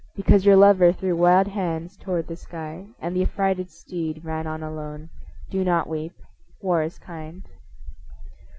Because your lover threw wild hands toward the sky And the affrighted steed ran on alone, Do not weep. War is kind.